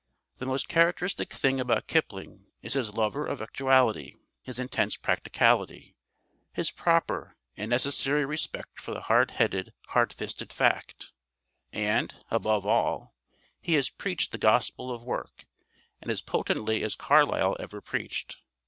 The most characteristic thing about Kipling is his lover of actuality, his intense practicality, his proper and necessary respect for the hard headed, hard fisted fact. And, above all, he has preached the gospel of work, and as potently as Carlyle ever preached.